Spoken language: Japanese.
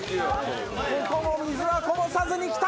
ここも水はこぼさずに来た！